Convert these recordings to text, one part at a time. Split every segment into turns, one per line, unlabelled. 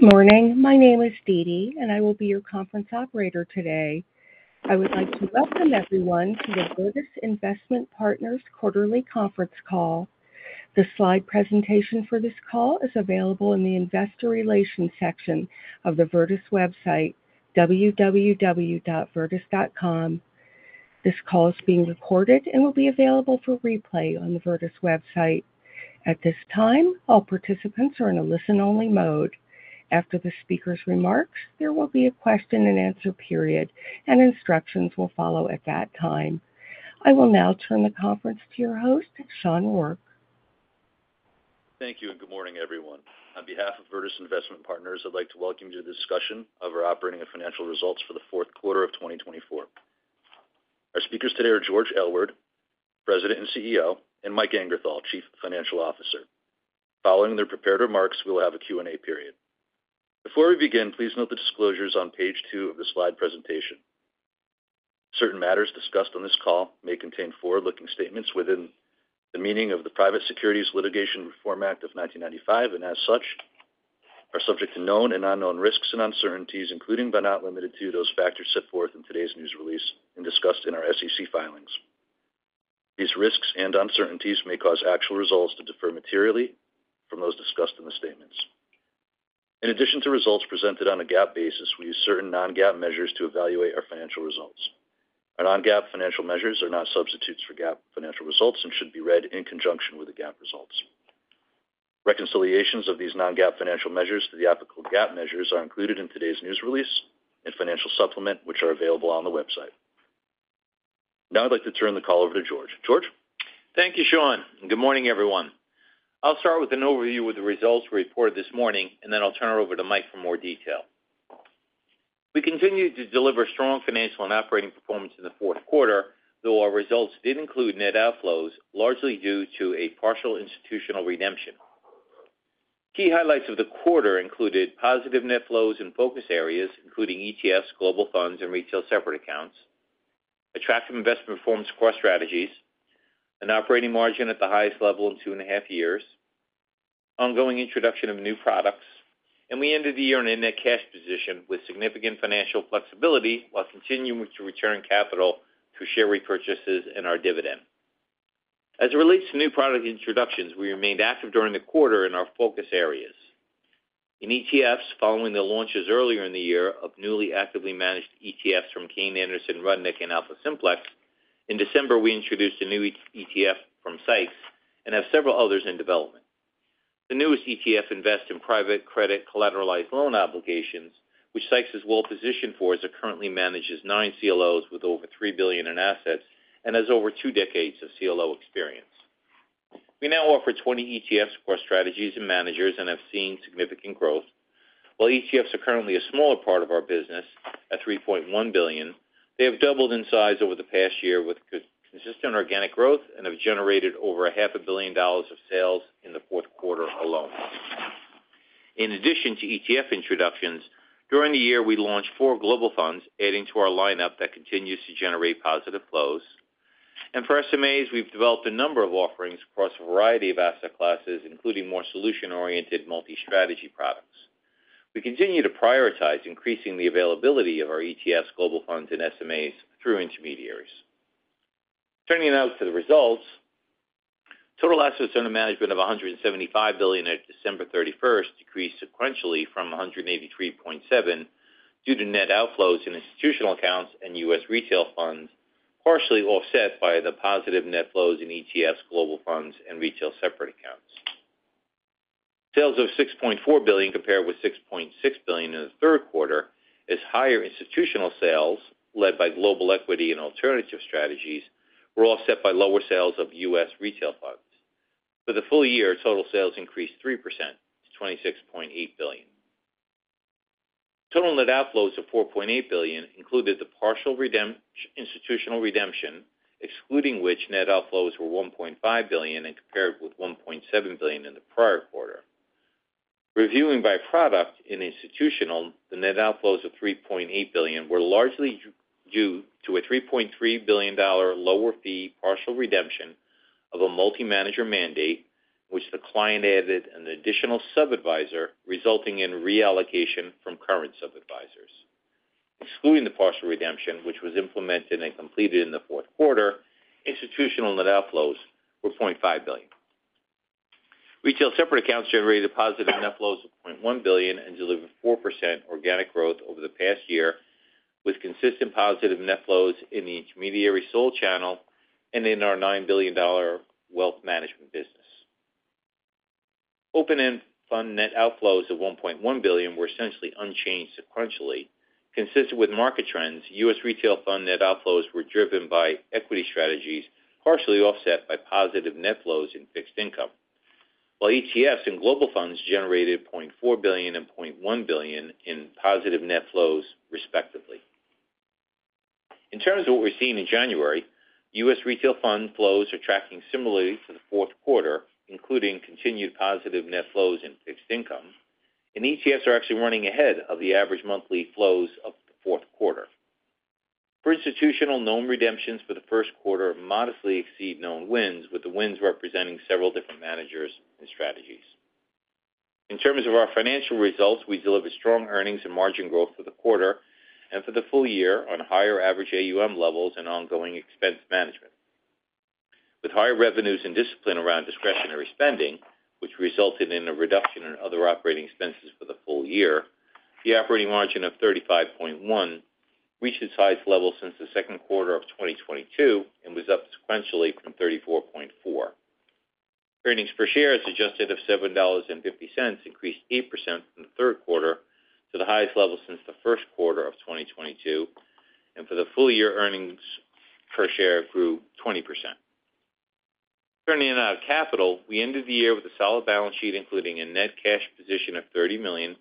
Good morning. My name is Dede, and I will be your conference operator today. I would like to welcome everyone to the Virtus Investment Partners Quarterly Conference Call. The slide presentation for this call is available in the investor relations section of the Virtus website, www.virtus.com. This call is being recorded and will be available for replay on the Virtus website. At this time, all participants are in a listen-only mode. After the speaker's remarks, there will be a question-and-answer period, and instructions will follow at that time. I will now turn the conference to your host, Sean Rourke.
Thank you, and good morning, everyone. On behalf of Virtus Investment Partners, I'd like to welcome you to the discussion of our operating and financial results for the Q4 of 2024. Our speakers today are George Aylward, President and CEO, and Mike Angerthal, Chief Financial Officer. Following their prepared remarks, we will have a Q&A period. Before we begin, please note the disclosures on page two of the slide presentation. Certain matters discussed on this call may contain forward-looking statements within the meaning of the Private Securities Litigation Reform Act of 1995, and as such, are subject to known and unknown risks and uncertainties, including but not limited to those factors set forth in today's news release and discussed in our SEC filings. These risks and uncertainties may cause actual results to differ materially from those discussed in the statements. In addition to results presented on a GAAP basis, we use certain non-GAAP measures to evaluate our financial results. Our non-GAAP financial measures are not substitutes for GAAP financial results and should be read in conjunction with the GAAP results. Reconciliations of these non-GAAP financial measures to the applicable GAAP measures are included in today's news release and financial supplement, which are available on the website. Now, I'd like to turn the call over to George. George.
Thank you, Sean. Good morning, everyone. I'll start with an overview of the results we reported this morning, and then I'll turn it over to Mike for more detail. We continued to deliver strong financial and operating performance in the Q4, though our results did include net outflows largely due to a partial institutional redemption. Key highlights of the quarter included positive net flows in focus areas, including ETFs, global funds, and retail separate accounts, attractive investment performance across strategies, an operating margin at the highest level in two and a half years, ongoing introduction of new products, and we ended the year in a net cash position with significant financial flexibility while continuing to return capital through share repurchases and our dividend. As it relates to new product introductions, we remained active during the quarter in our focus areas. In ETFs, following the launches earlier in the year of newly actively managed ETFs from Kayne Anderson Rudnick and AlphaSimplex, in December, we introduced a new ETF from Seix and have several others in development. The newest ETF invests in private credit collateralized loan obligations, which Seix is well positioned for as it currently manages nine CLOs with over $3 billion in assets and has over two decades of CLO experience. We now offer 20 ETFs across strategies and managers and have seen significant growth. While ETFs are currently a smaller part of our business at $3.1 billion, they have doubled in size over the past year with consistent organic growth and have generated over $500 million of sales in the Q4 alone. In addition to ETF introductions, during the year, we launched four global funds, adding to our lineup that continues to generate positive flows, and for SMAs, we've developed a number of offerings across a variety of asset classes, including more solution-oriented multi-strategy products. We continue to prioritize increasing the availability of our ETFs, global funds, and SMAs through intermediaries. Turning now to the results, total assets under management of $175 billion at December 31st decreased sequentially from $183.7 billion due to net outflows in institutional accounts and U.S. retail funds, partially offset by the positive net flows in ETFs, global funds, and retail separate accounts. Sales of $6.4 billion, compared with $6.6 billion in the Q3, as higher institutional sales led by global equity and alternative strategies were offset by lower sales of U.S. retail funds. For the full year, total sales increased 3% to $26.8 billion. Total net outflows of $4.8 billion included the partial institutional redemption, excluding which net outflows were $1.5 billion and compared with $1.7 billion in the prior quarter. Reviewing by product and institutional, the net outflows of $3.8 billion were largely due to a $3.3 billion lower fee partial redemption of a multi-manager mandate, which the client added an additional sub-advisor, resulting in reallocation from current sub-advisors. Excluding the partial redemption, which was implemented and completed in the Q4, institutional net outflows were $0.5 billion. Retail separate accounts generated positive net flows of $0.1 billion and delivered 4% organic growth over the past year with consistent positive net flows in the intermediary sold channel and in our $9 billion wealth management business. Open-end fund net outflows of $1.1 billion were essentially unchanged sequentially. Consistent with market trends, U.S. Retail fund net outflows were driven by equity strategies, partially offset by positive net flows in fixed income, while ETFs and global funds generated $0.4 billion and $0.1 billion in positive net flows, respectively. In terms of what we're seeing in January, U.S. retail fund flows are tracking similarly to the Q4, including continued positive net flows in fixed income, and ETFs are actually running ahead of the average monthly flows of the Q4. For institutional, known redemptions for the Q1 modestly exceed known wins, with the wins representing several different managers and strategies. In terms of our financial results, we delivered strong earnings and margin growth for the quarter and for the full year on higher average AUM levels and ongoing expense management. With higher revenues and discipline around discretionary spending, which resulted in a reduction in other operating expenses for the full year, the operating margin of 35.1% reached its highest level since the Q2 of 2022 and was up sequentially from 34.4%. Earnings per share, adjusted, is $7.50, increased 8% from the Q3 to the highest level since the Q1 of 2022, and for the full year, earnings per share grew 20%. Turning now to capital, we ended the year with a solid balance sheet, including a net cash position of $30 million,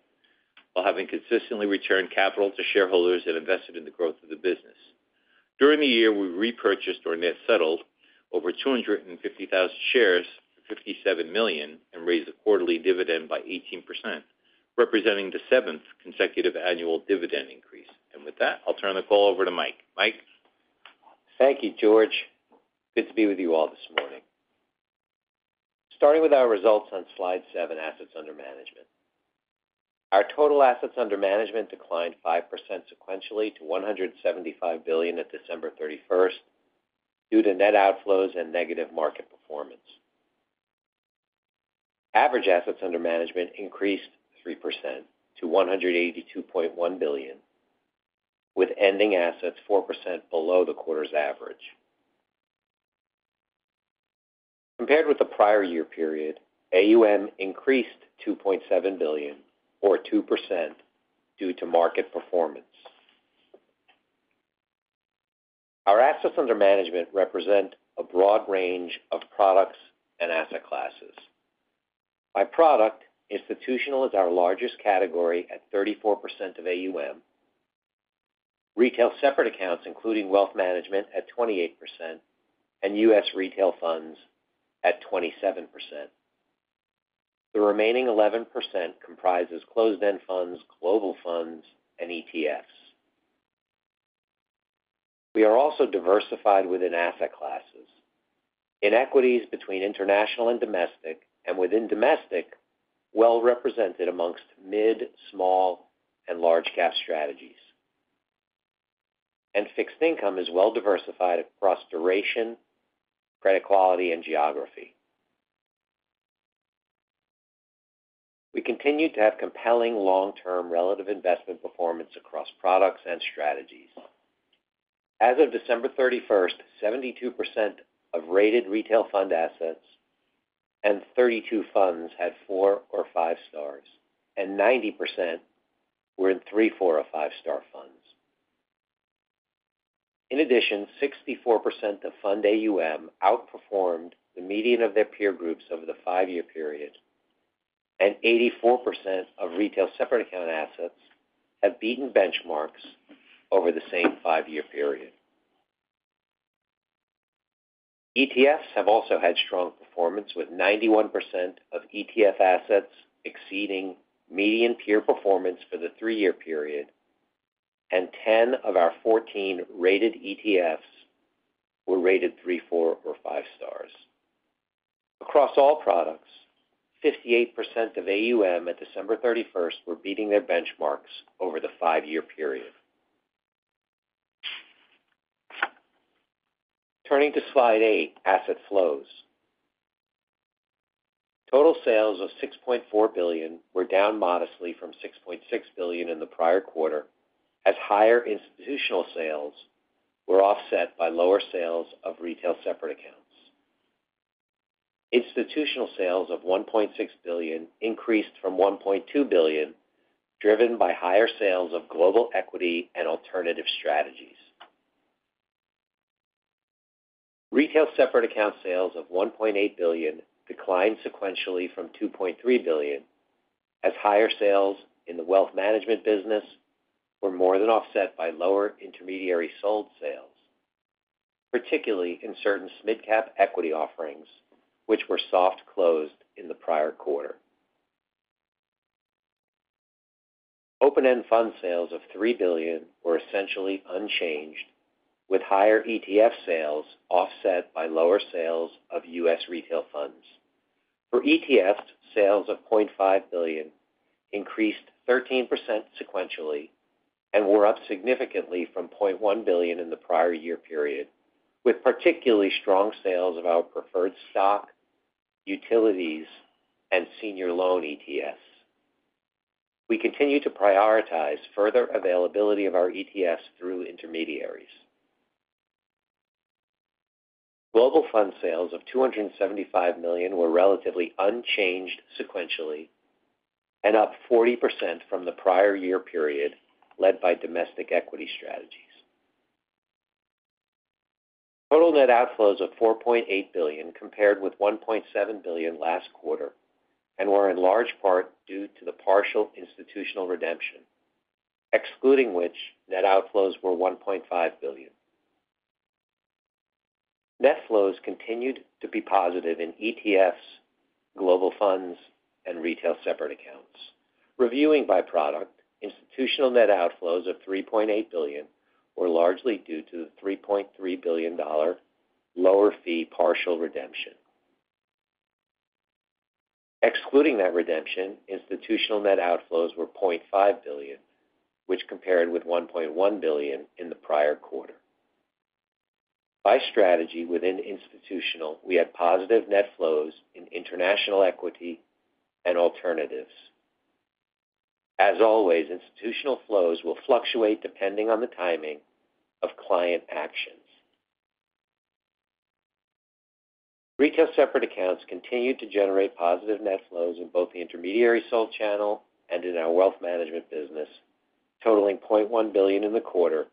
while having consistently returned capital to shareholders and invested in the growth of the business. During the year, we repurchased or net settled over 250,000 shares for $57 million and raised a quarterly dividend by 18%, representing the seventh consecutive annual dividend increase. And with that, I'll turn the call over to Mike. Mike.
Thank you, George. Good to be with you all this morning. Starting with our results on slide seven, assets under management. Our total assets under management declined 5% sequentially to $175 billion at December 31st due to net outflows and negative market performance. Average assets under management increased 3% to $182.1 billion, with ending assets 4% below the quarter's average. Compared with the prior year period, AUM increased $2.7 billion, or 2%, due to market performance. Our assets under management represent a broad range of products and asset classes. By product, institutional is our largest category at 34% of AUM, retail separate accounts, including wealth management, at 28%, and U.S. retail funds at 27%. The remaining 11% comprises closed-end funds, global funds, and ETFs. We are also diversified within asset classes, in equities between international and domestic, and within domestic, well represented amongst mid, small, and large-cap strategies. Fixed income is well diversified across duration, credit quality, and geography. We continue to have compelling long-term relative investment performance across products and strategies. As of December 31st, 72% of rated retail fund assets and 32 funds had four or five stars, and 90% were in three, four, or five-star funds. In addition, 64% of fund AUM outperformed the median of their peer groups over the five-year period, and 84% of retail separate account assets have beaten benchmarks over the same five-year period. ETFs have also had strong performance, with 91% of ETF assets exceeding median peer performance for the three-year period, and 10 of our 14 rated ETFs were rated three, four, or five stars. Across all products, 58% of AUM at December 31st were beating their benchmarks over the five-year period. Turning to slide eight, asset flows. Total sales of $6.4 billion were down modestly from $6.6 billion in the prior quarter, as higher institutional sales were offset by lower sales of retail separate accounts. Institutional sales of $1.6 billion increased from $1.2 billion, driven by higher sales of global equity and alternative strategies. Retail separate account sales of $1.8 billion declined sequentially from $2.3 billion, as higher sales in the wealth management business were more than offset by lower intermediary sold sales, particularly in certain mid-cap equity offerings, which were soft-closed in the prior quarter. Open-end fund sales of $3 billion were essentially unchanged, with higher ETF sales offset by lower sales of U.S. retail funds. For ETFs, sales of $0.5 billion increased 13% sequentially and were up significantly from $0.1 billion in the prior year period, with particularly strong sales of our preferred stock, utilities, and senior loan ETFs. We continue to prioritize further availability of our ETFs through intermediaries. Global fund sales of $275 million were relatively unchanged sequentially and up 40% from the prior year period, led by domestic equity strategies. Total net outflows of $4.8 billion compared with $1.7 billion last quarter and were in large part due to the partial institutional redemption, excluding which net outflows were $1.5 billion. Net flows continued to be positive in ETFs, global funds, and retail separate accounts. Reviewing by product, institutional net outflows of $3.8 billion were largely due to the $3.3 billion lower fee partial redemption. Excluding that redemption, institutional net outflows were $0.5 billion, which compared with $1.1 billion in the prior quarter. By strategy within institutional, we had positive net flows in international equity and alternatives. As always, institutional flows will fluctuate depending on the timing of client actions. Retail separate accounts continued to generate positive net flows in both the intermediary sold channel and in our wealth management business, totaling $0.1 billion in the quarter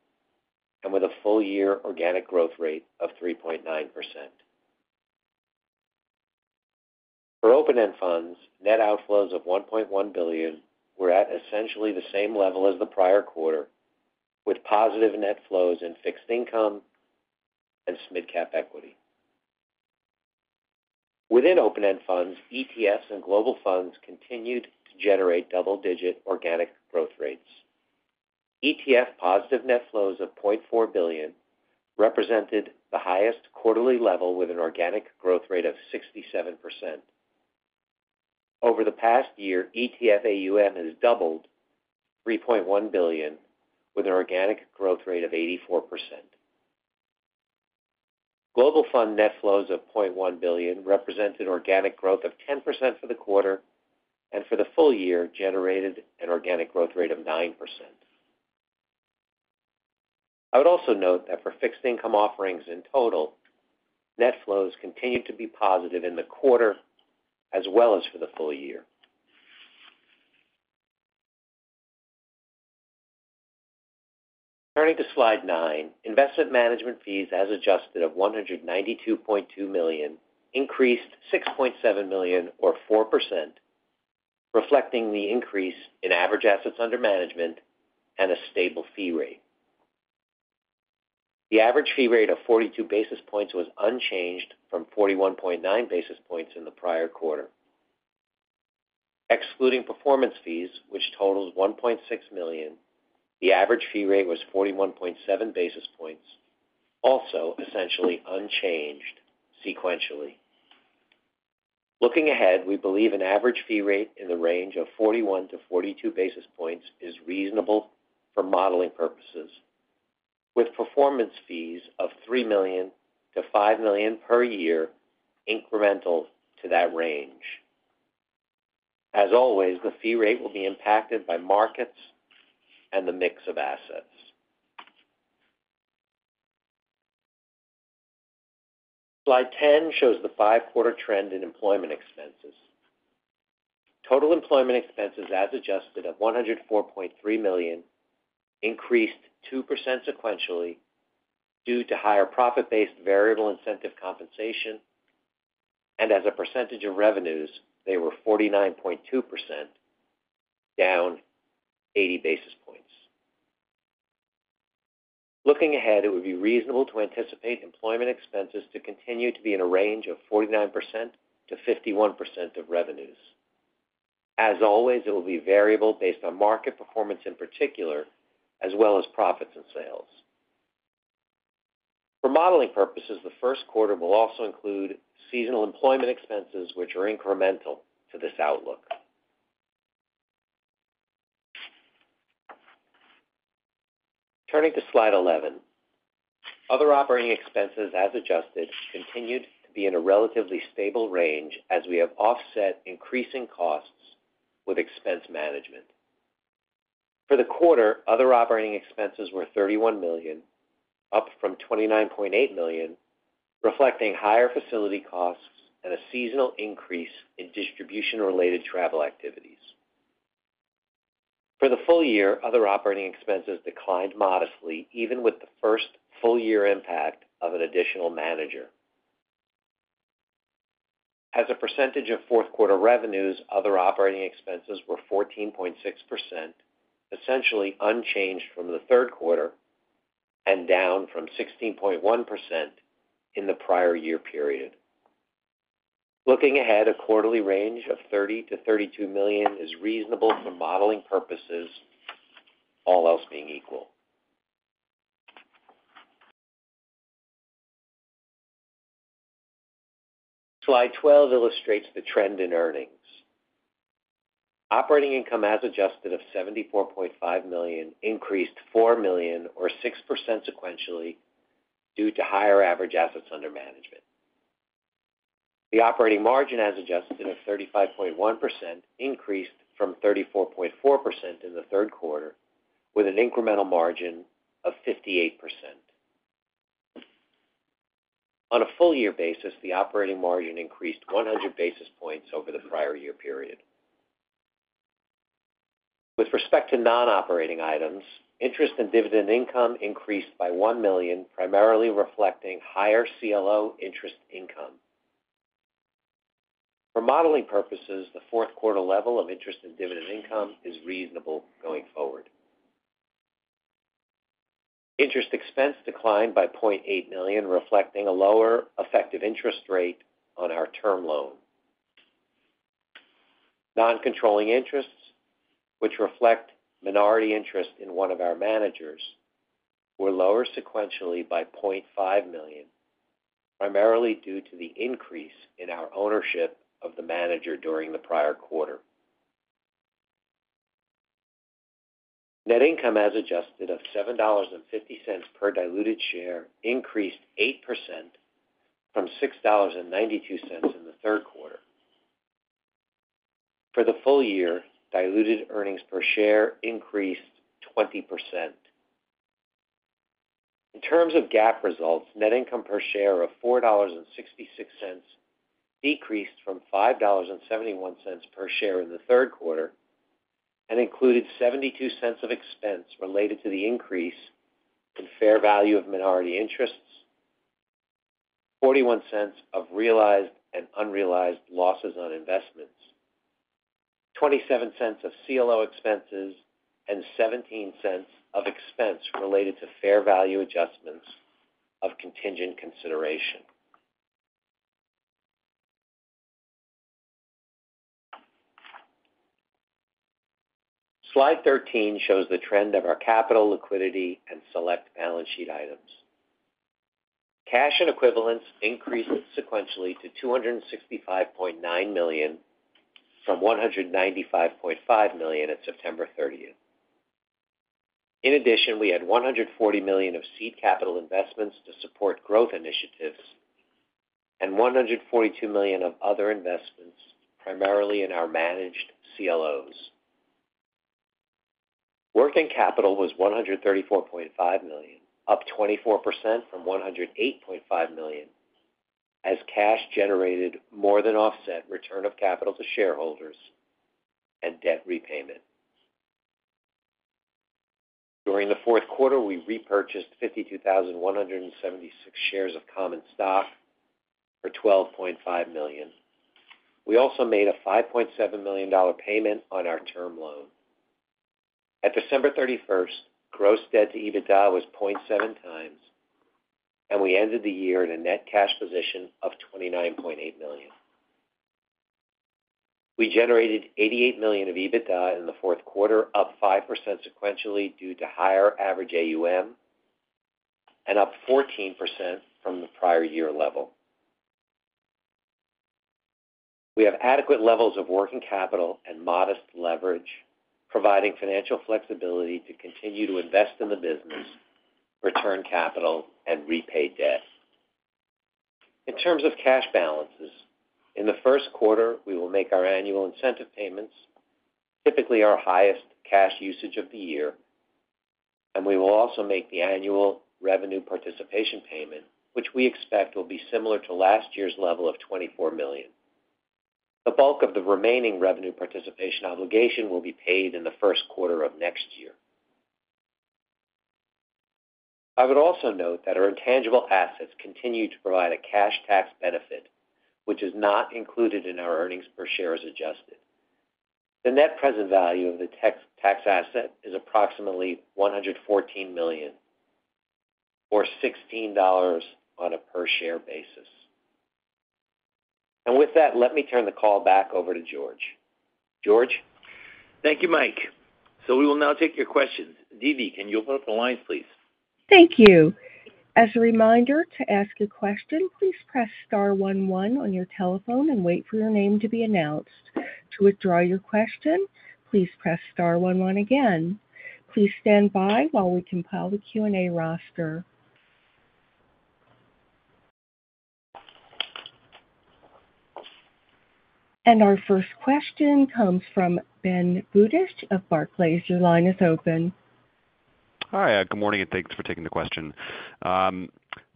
and with a full-year organic growth rate of 3.9%. For open-end funds, net outflows of $1.1 billion were at essentially the same level as the prior quarter, with positive net flows in fixed income and mid-cap equity. Within open-end funds, ETFs and global funds continued to generate double-digit organic growth rates. ETF positive net flows of $0.4 billion represented the highest quarterly level with an organic growth rate of 67%. Over the past year, ETF AUM has doubled $3.1 billion with an organic growth rate of 84%. Global fund net flows of $0.1 billion represented organic growth of 10% for the quarter, and for the full year, generated an organic growth rate of 9%. I would also note that for fixed income offerings in total, net flows continued to be positive in the quarter as well as for the full year. Turning to slide nine, investment management fees as adjusted of $192.2 million increased $6.7 million, or 4%, reflecting the increase in average assets under management and a stable fee rate. The average fee rate of 42 basis points was unchanged from 41.9 basis points in the prior quarter. Excluding performance fees, which totals $1.6 million, the average fee rate was 41.7 basis points, also essentially unchanged sequentially. Looking ahead, we believe an average fee rate in the range of 41-42 basis points is reasonable for modeling purposes, with performance fees of $3 million-$5 million per year incremental to that range. As always, the fee rate will be impacted by markets and the mix of assets. Slide 10 shows the five-quarter trend in employment expenses. Total employment expenses as adjusted of $104.3 million increased 2% sequentially due to higher profit-based variable incentive compensation, and as a percentage of revenues, they were 49.2%, down 80 basis points. Looking ahead, it would be reasonable to anticipate employment expenses to continue to be in a range of 49%-51% of revenues. As always, it will be variable based on market performance in particular, as well as profits and sales. For modeling purposes, the Q1 will also include seasonal employment expenses, which are incremental to this outlook. Turning to slide 11, other operating expenses as adjusted continued to be in a relatively stable range as we have offset increasing costs with expense management. For the quarter, other operating expenses were $31 million, up from $29.8 million, reflecting higher facility costs and a seasonal increase in distribution-related travel activities. For the full year, other operating expenses declined modestly, even with the first full-year impact of an additional manager. As a percentage of fourth-quarter revenues, other operating expenses were 14.6%, essentially unchanged from the Q3 and down from 16.1% in the prior year period. Looking ahead, a quarterly range of $30 million-$32 million is reasonable for modeling purposes, all else being equal. Slide 12 illustrates the trend in earnings. Operating income as adjusted of $74.5 million increased $4 million, or 6% sequentially, due to higher average assets under management. The operating margin as adjusted of 35.1% increased from 34.4% in the Q3, with an incremental margin of 58%. On a full-year basis, the operating margin increased 100 basis points over the prior year period. With respect to non-operating items, interest and dividend income increased by $1 million, primarily reflecting higher CLO interest income. For modeling purposes, the Q4 level of interest and dividend income is reasonable going forward. Interest expense declined by $0.8 million, reflecting a lower effective interest rate on our term loan. Non-controlling interests, which reflect minority interest in one of our managers, were lower sequentially by $0.5 million, primarily due to the increase in our ownership of the manager during the prior quarter. Net income as adjusted of $7.50 per diluted share increased 8% from $6.92 in the Q3. For the full year, diluted earnings per share increased 20%. In terms of GAAP results, net income per share of $4.66 decreased from $5.71 per share in the Q3 and included $0.72 of expense related to the increase in fair value of minority interests, $0.41 of realized and unrealized losses on investments, $0.27 of CLO expenses, and $0.17 of expense related to fair value adjustments of contingent consideration. Slide 13 shows the trend of our capital, liquidity, and select balance sheet items. Cash and equivalents increased sequentially to $265.9 million from $195.5 million at September 30th. In addition, we had $140 million of seed capital investments to support growth initiatives and $142 million of other investments, primarily in our managed CLOs. Working capital was $134.5 million, up 24% from $108.5 million, as cash generated more than offset return of capital to shareholders and debt repayment. During the Q4, we repurchased 52,176 shares of common stock for $12.5 million. We also made a $5.7 million payment on our term loan. At December 31st, gross debt to EBITDA was 0.7 times, and we ended the year in a net cash position of $29.8 million. We generated $88 million of EBITDA in the Q4, up 5% sequentially due to higher average AUM and up 14% from the prior year level. We have adequate levels of working capital and modest leverage, providing financial flexibility to continue to invest in the business, return capital, and repay debt. In terms of cash balances, in the Q1, we will make our annual incentive payments, typically our highest cash usage of the year, and we will also make the annual revenue participation payment, which we expect will be similar to last year's level of $24 million. The bulk of the remaining revenue participation obligation will be paid in the Q1 of next year. I would also note that our intangible assets continue to provide a cash tax benefit, which is not included in our earnings per share as adjusted. The net present value of the tax asset is approximately $114 million, or $16 on a per share basis. And with that, let me turn the call back over to George. George.
Thank you, Mike. So we will now take your questions. Dede, can you open up the lines, please?
Thank you. As a reminder to ask a question, please press star one one on your telephone and wait for your name to be announced. To withdraw your question, please press star one one again. Please stand by while we compile the Q&A roster. And our first question comes from Ben Budish of Barclays. Your line is open.
Hi. Good morning and thanks for taking the question.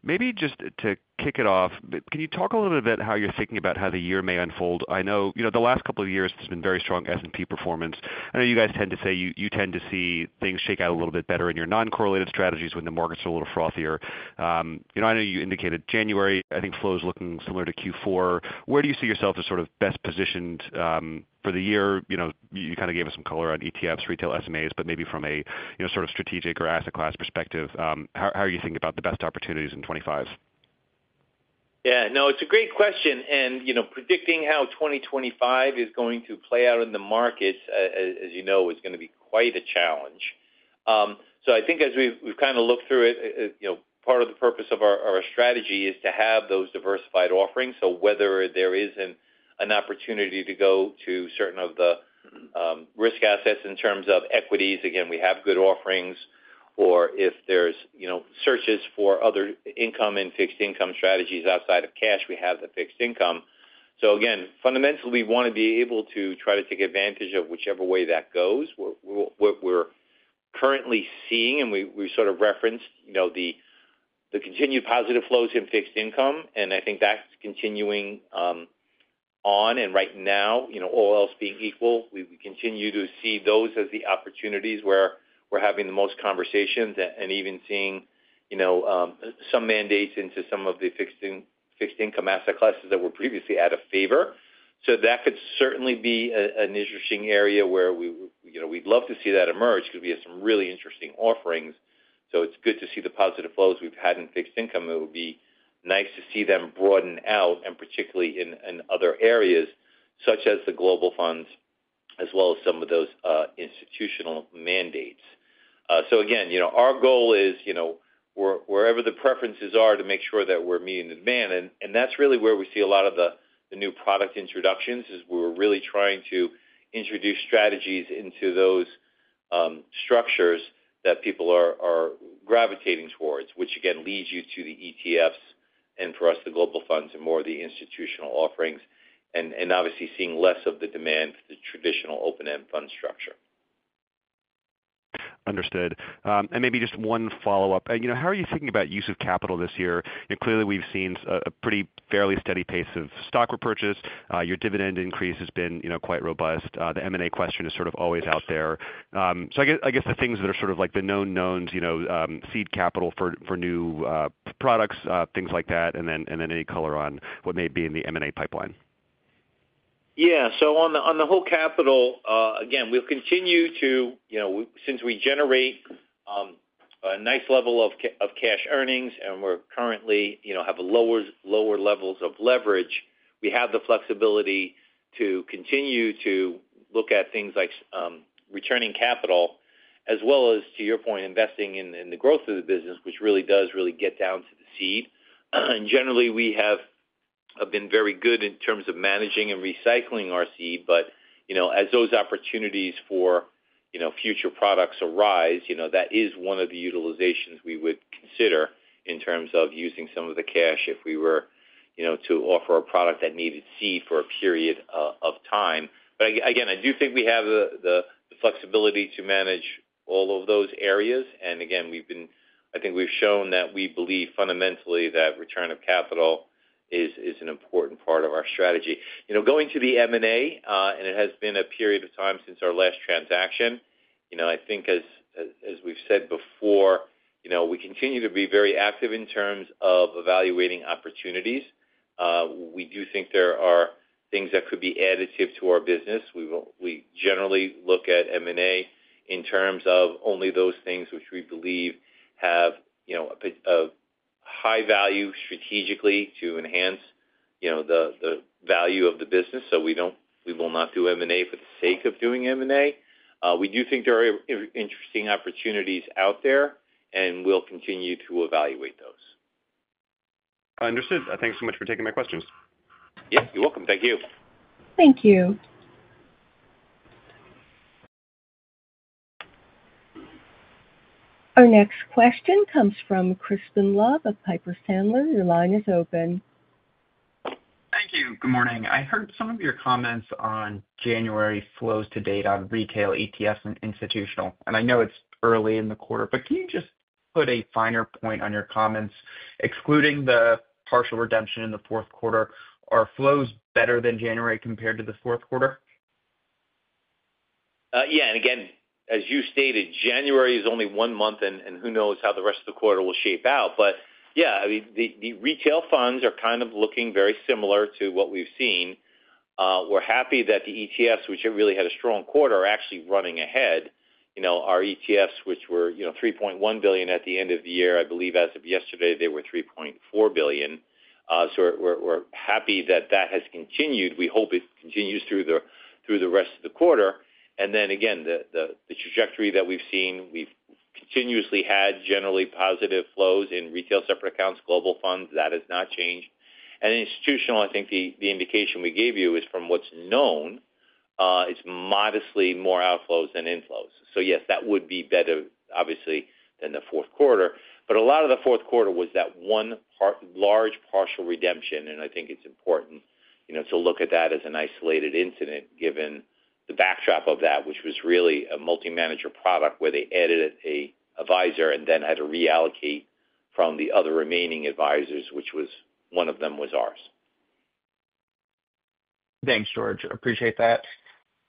Maybe just to kick it off, can you talk a little bit about how you're thinking about how the year may unfold? I know the last couple of years, there's been very strong S&P performance. I know you guys tend to say you tend to see things shake out a little bit better in your non-correlated strategies when the markets are a little frothier. I know you indicated January, I think flow is looking similar to Q4. Where do you see yourself as sort of best positioned for the year? You kind of gave us some color on ETFs, retail SMAs, but maybe from a sort of strategic or asset class perspective, how are you thinking about the best opportunities in 2025?
Yeah. No, it's a great question. Predicting how 2025 is going to play out in the markets, as you know, is going to be quite a challenge. So I think as we've kind of looked through it, part of the purpose of our strategy is to have those diversified offerings. So whether there is an opportunity to go to certain of the risk assets in terms of equities, again, we have good offerings, or if there's searches for other income and fixed income strategies outside of cash, we have the fixed income. So again, fundamentally, we want to be able to try to take advantage of whichever way that goes. What we're currently seeing, and we sort of referenced the continued positive flows in fixed income, and I think that's continuing on. And right now, all else being equal, we continue to see those as the opportunities where we're having the most conversations and even seeing some mandates into some of the fixed income asset classes that were previously out of favor. So that could certainly be an interesting area where we'd love to see that emerge because we have some really interesting offerings. So it's good to see the positive flows we've had in fixed income. It would be nice to see them broaden out, and particularly in other areas such as the Global Funds, as well as some of those institutional mandates. So again, our goal is wherever the preferences are to make sure that we're meeting the demand. And that's really where we see a lot of the new product introductions, is we're really trying to introduce strategies into those structures that people are gravitating towards, which again leads you to the ETFs and for us, the global funds and more of the institutional offerings, and obviously seeing less of the demand for the traditional open-end fund structure.
Understood. And maybe just one follow-up. How are you thinking about use of capital this year? Clearly, we've seen a pretty fairly steady pace of stock repurchase. Your dividend increase has been quite robust. The M&A question is sort of always out there. So I guess the things that are sort of like the known knowns, seed capital for new products, things like that, and then any color on what may be in the M&A pipeline. Yeah.
So on the whole capital, again, we'll continue to, since we generate a nice level of cash earnings and we currently have lower levels of leverage, we have the flexibility to continue to look at things like returning capital, as well as, to your point, investing in the growth of the business, which really does really get down to the seed. And generally, we have been very good in terms of managing and recycling our seed, but as those opportunities for future products arise, that is one of the utilizations we would consider in terms of using some of the cash if we were to offer a product that needed seed for a period of time. But again, I do think we have the flexibility to manage all of those areas. And again, I think we've shown that we believe fundamentally that return of capital is an important part of our strategy. Going to the M&A, and it has been a period of time since our last transaction, I think as we've said before, we continue to be very active in terms of evaluating opportunities. We do think there are things that could be additive to our business. We generally look at M&A in terms of only those things which we believe have a high value strategically to enhance the value of the business. So we will not do M&A for the sake of doing M&A. We do think there are interesting opportunities out there, and we'll continue to evaluate those.
Understood. Thanks so much for taking my questions.
Yep. You're welcome. Thank you.
Thank you. Our next question comes from Crispin Love of Piper Sandler. Your line is open.
Thank you. Good morning. I heard some of your comments on January flows to date on retail ETFs and institutional. And I know it's early in the quarter, but can you just put a finer point on your comments? Excluding the partial redemption in the Q4, are flows better than January compared to the Q4?
Yeah. And again, as you stated, January is only one month, and who knows how the rest of the quarter will play out. But yeah, the retail funds are kind of looking very similar to what we've seen. We're happy that the ETFs, which really had a strong quarter, are actually running ahead. Our ETFs, which were $3.1 billion at the end of the year, I believe as of yesterday, they were $3.4 billion. So we're happy that that has continued. We hope it continues through the rest of the quarter. Then again, the trajectory that we've seen, we've continuously had generally positive flows in retail separate accounts, global funds. That has not changed. And institutional, I think the indication we gave you is from what's known, it's modestly more outflows than inflows. So yes, that would be better, obviously, than the Q4. But a lot of the Q4 was that one large partial redemption, and I think it's important to look at that as an isolated incident given the backdrop of that, which was really a multi-manager product where they added an advisor and then had to reallocate from the other remaining advisors, which one of them was ours.
Thanks, George. Appreciate that.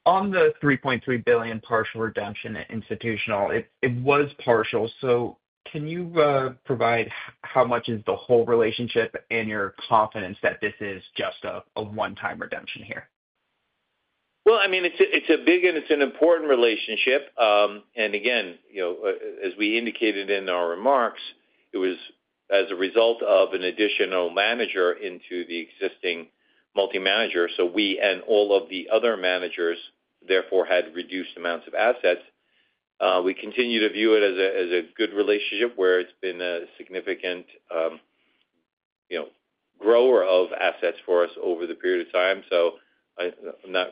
On the $3.3 billion partial redemption at institutional, it was partial. So can you provide how much is the whole relationship and your confidence that this is just a one-time redemption here?
I mean, it's a big and it's an important relationship. And again, as we indicated in our remarks, it was as a result of an additional manager into the existing multi-manager. So we and all of the other managers, therefore, had reduced amounts of assets. We continue to view it as a good relationship where it's been a significant grower of assets for us over the period of time. So I'm not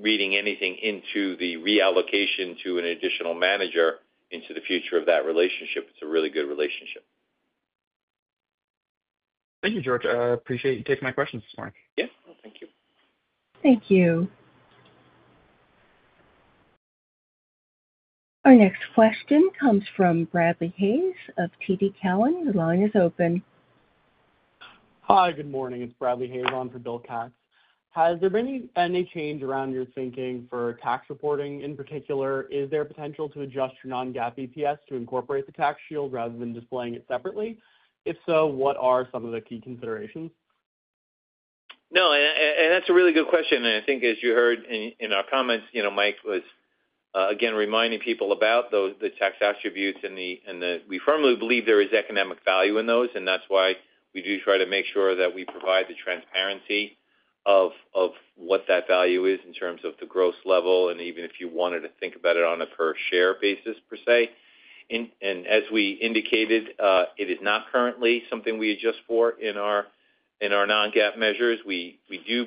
reading anything into the reallocation to an additional manager into the future of that relationship. It's a really good relationship.
Thank you, George. I appreciate you taking my questions this morning.
Yeah. Thank you.
Thank you. Our next question comes from Bradley Hayes of TD Cowen. The line is open.
Hi. Good morning. It's Bradley Hayes on for Bill Katz. Has there been any change around your thinking for tax reporting in particular? Is there a potential to adjust your non-GAAP EPS to incorporate the tax shield rather than displaying it separately? If so, what are some of the key considerations?
No. And that's a really good question. And I think as you heard in our comments, Mike was again reminding people about the tax attributes, and we firmly believe there is economic value in those, and that's why we do try to make sure that we provide the transparency of what that value is in terms of the gross level and even if you wanted to think about it on a per share basis per se. And as we indicated, it is not currently something we adjust for in our non-GAAP measures. We do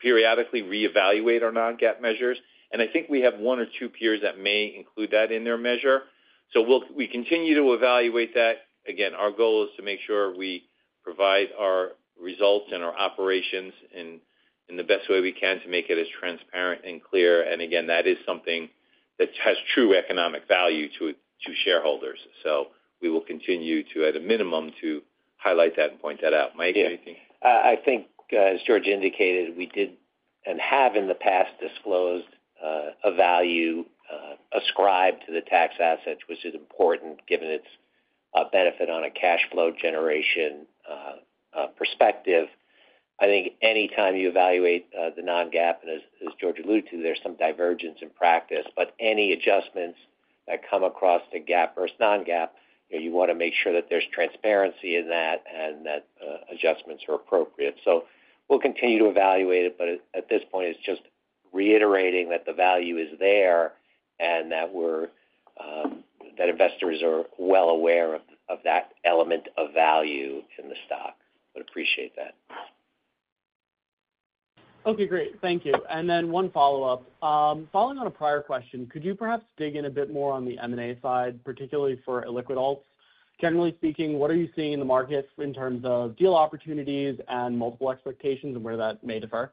periodically reevaluate our non-GAAP measures, and I think we have one or two peers that may include that in their measure. So we continue to evaluate that. Again, our goal is to make sure we provide our results and our operations in the best way we can to make it as transparent and clear, and again, that is something that has true economic value to shareholders, so we will continue to, at a minimum, to highlight that and point that out. Mike, anything?
Yeah. I think, as George indicated, we did and have in the past disclosed a value ascribed to the tax asset, which is important given its benefit on a cash flow generation perspective. I think anytime you evaluate the non-GAAP, and as George alluded to, there's some divergence in practice, but any adjustments that come across the GAAP versus non-GAAP, you want to make sure that there's transparency in that and that adjustments are appropriate. So we'll continue to evaluate it, but at this point, it's just reiterating that the value is there and that investors are well aware of that element of value in the stock. But appreciate that.
Okay. Great. Thank you. And then one follow-up. Following on a prior question, could you perhaps dig in a bit more on the M&A side, particularly for illiquid alts? Generally speaking, what are you seeing in the markets in terms of deal opportunities and multiple expectations and where that may differ?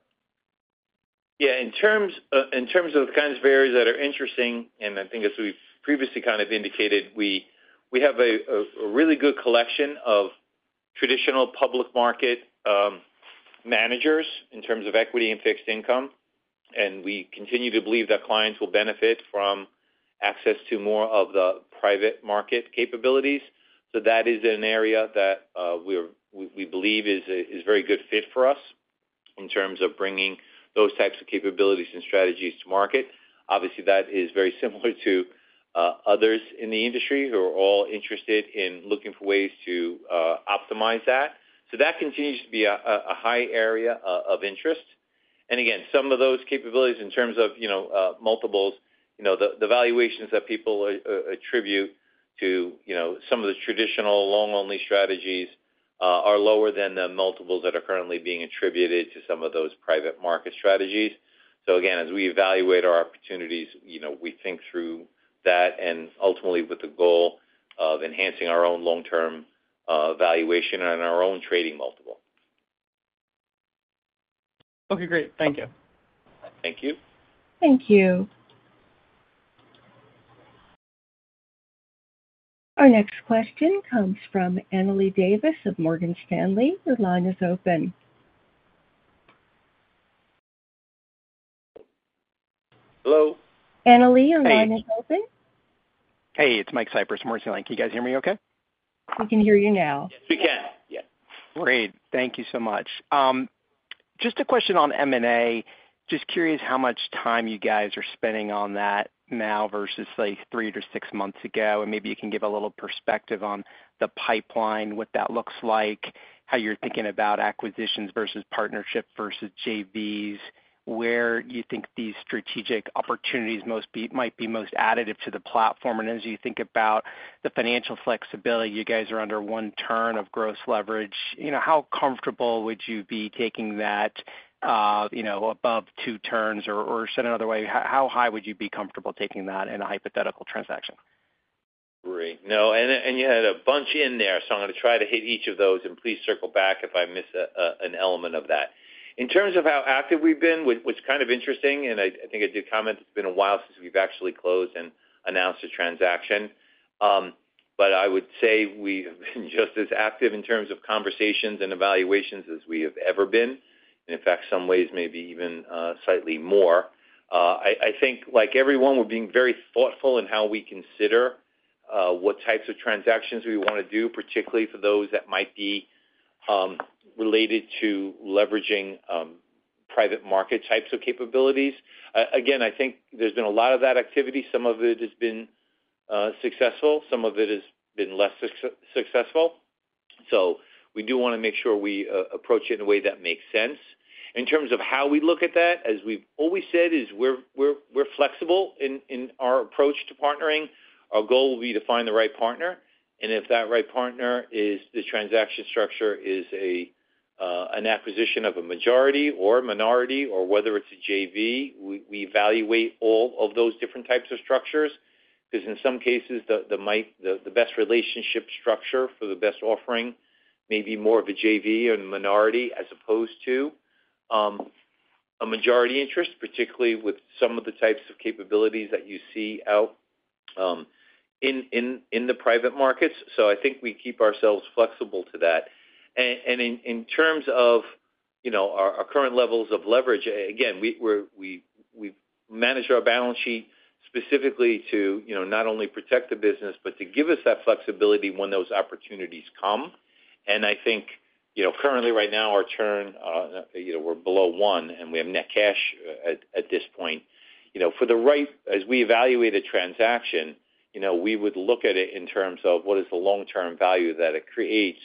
Yeah. In terms of the kinds of areas that are interesting, and I think as we've previously kind of indicated, we have a really good collection of traditional public market managers in terms of equity and fixed income. And we continue to believe that clients will benefit from access to more of the private market capabilities. So that is an area that we believe is a very good fit for us in terms of bringing those types of capabilities and strategies to market. Obviously, that is very similar to others in the industry who are all interested in looking for ways to optimize that. So that continues to be a high area of interest. And again, some of those capabilities in terms of multiples, the valuations that people attribute to some of the traditional long-only strategies are lower than the multiples that are currently being attributed to some of those private market strategies. So again, as we evaluate our opportunities, we think through that and ultimately with the goal of enhancing our own long-term valuation and our own trading multiple.
Okay. Great. Thank you.
Thank you.
Thank you. Our next question comes from Annalei Davis of Morgan Stanley. Your line is open.
Hello.
Annalee, your line is open.
Hey, it's Mike Cyprys from Morgan Stanley. Can you guys hear me okay?
We can hear you now.
Yes, we can. Yeah.
Great. Thank you so much. Just a question on M&A. Just curious how much time you guys are spending on that now versus three to six months ago. And maybe you can give a little perspective on the pipeline, what that looks like, how you're thinking about acquisitions versus partnership versus JVs, where you think these strategic opportunities might be most additive to the platform. And as you think about the financial flexibility, you guys are under one turn of gross leverage. How comfortable would you be taking that above two turns? Or said another way, how high would you be comfortable taking that in a hypothetical transaction?
Right. No. And you had a bunch in there. So I'm going to try to hit each of those, and please circle back if I miss an element of that. In terms of how active we've been, what's kind of interesting, and I think I did comment, it's been a while since we've actually closed and announced a transaction. But I would say we have been just as active in terms of conversations and evaluations as we have ever been. And in fact, some ways maybe even slightly more. I think, like everyone, we're being very thoughtful in how we consider what types of transactions we want to do, particularly for those that might be related to leveraging private market types of capabilities. Again, I think there's been a lot of that activity. Some of it has been successful. Some of it has been less successful. So we do want to make sure we approach it in a way that makes sense. In terms of how we look at that, as we've always said, is we're flexible in our approach to partnering. Our goal will be to find the right partner. And if that right partner, the transaction structure is an acquisition of a majority or a minority, or whether it's a JV, we evaluate all of those different types of structures. Because in some cases, the best relationship structure for the best offering may be more of a JV or a minority as opposed to a majority interest, particularly with some of the types of capabilities that you see out in the private markets. So I think we keep ourselves flexible to that. In terms of our current levels of leverage, again, we've managed our balance sheet specifically to not only protect the business, but to give us that flexibility when those opportunities come. And I think currently, right now, our turn, we're below one, and we have net cash at this point. For the right, as we evaluate a transaction, we would look at it in terms of what is the long-term value that it creates.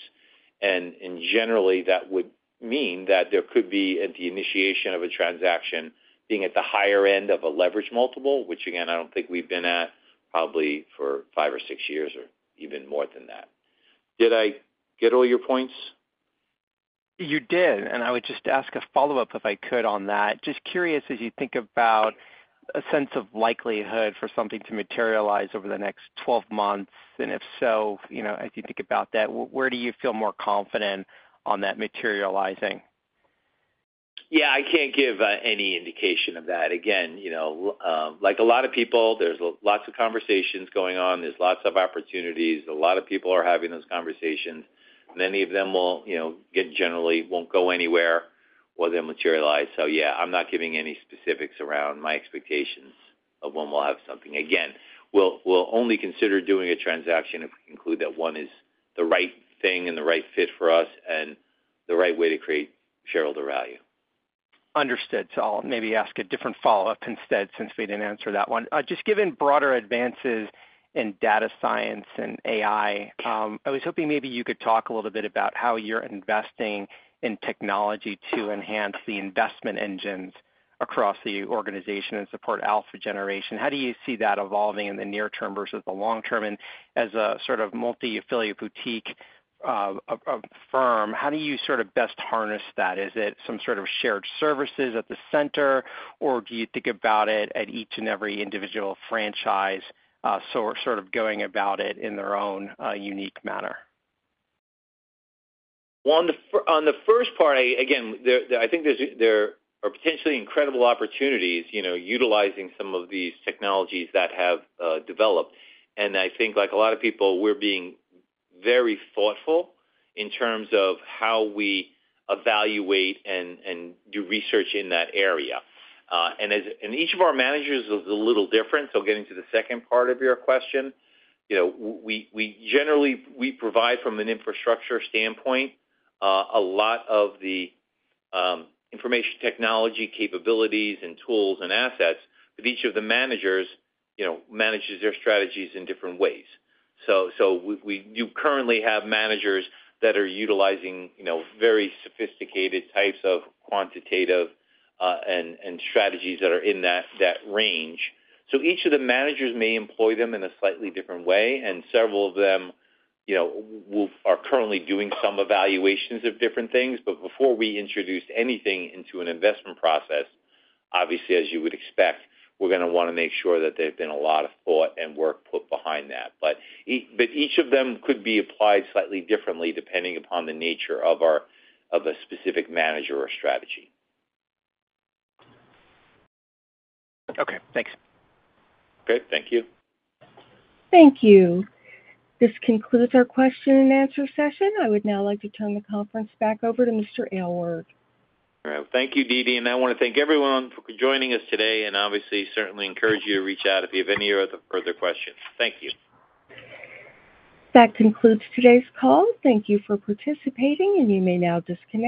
And generally, that would mean that there could be the initiation of a transaction being at the higher end of a leverage multiple, which again, I don't think we've been at probably for five or six years or even more than that. Did I get all your points?
You did. And I would just ask a follow-up if I could on that. Just curious, as you think about a sense of likelihood for something to materialize over the next 12 months, and if so, as you think about that, where do you feel more confident on that materializing?
Yeah. I can't give any indication of that. Again, like a lot of people, there's lots of conversations going on. There's lots of opportunities. A lot of people are having those conversations. Many of them will generally not go anywhere or they'll materialize. So yeah, I'm not giving any specifics around my expectations of when we'll have something. Again, we'll only consider doing a transaction if we conclude that one is the right thing and the right fit for us and the right way to create shareholder value.
Understood. So I'll maybe ask a different follow-up instead since we didn't answer that one. Just given broader advances in data science and AI, I was hoping maybe you could talk a little bit about how you're investing in technology to enhance the investment engines across the organization and support alpha generation. How do you see that evolving in the near term versus the long term? And as a sort of multi-affiliate boutique firm, how do you sort of best harness that? Is it some sort of shared services at the center, or do you think about it at each and every individual franchise sort of going about it in their own unique manner?
On the first part, again, I think there are potentially incredible opportunities utilizing some of these technologies that have developed. And I think, like a lot of people, we're being very thoughtful in terms of how we evaluate and do research in that area. Each of our managers is a little different. So getting to the second part of your question, we generally provide from an infrastructure standpoint a lot of the information technology capabilities and tools and assets, but each of the managers manages their strategies in different ways. So we do currently have managers that are utilizing very sophisticated types of quantitative strategies that are in that range. So each of the managers may employ them in a slightly different way. And several of them are currently doing some evaluations of different things. But before we introduce anything into an investment process, obviously, as you would expect, we're going to want to make sure that there's been a lot of thought and work put behind that. But each of them could be applied slightly differently depending upon the nature of a specific manager or strategy.
Okay. Thanks.
Okay. Thank you.
Thank you. This concludes our question and answer session. I would now like to turn the conference back over to Mr. Aylward.
All right. Well, thank you, Dede. And I want to thank everyone for joining us today and obviously certainly encourage you to reach out if you have any other further questions. Thank you. That concludes today's call. Thank you for participating, and you may now disconnect.